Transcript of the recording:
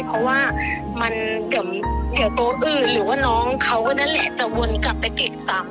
เพราะว่ามันเดี๋ยวโต๊ะอื่นหรือว่าน้องเขาก็นั่นแหละจะวนกลับไปติดตาม